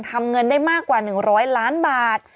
ทำเงินได้มากกว่า๑๐๐ล้านบาท